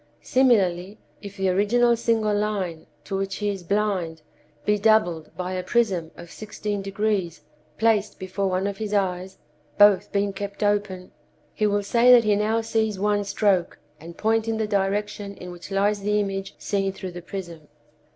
Similarly, if the original single line, to which he is blind, be doubled by a prism of sixteen degrees placed before one of his eyes (both being kept open), he will say that he now sees one stroke, and point in the direction in which lies the image seen through the prism.